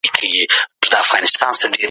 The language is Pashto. قرنیه د سترګې حساسه برخه ده.